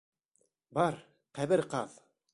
Бар, ҡәбер ҡаҙ!